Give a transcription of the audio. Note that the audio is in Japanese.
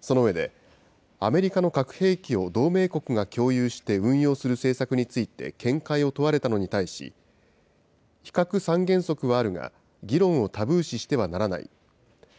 その上で、アメリカの核兵器を同盟国が共有して運用する政策について見解を問われたのに対し、非核３原則はあるが、議論をタブー視してはならない。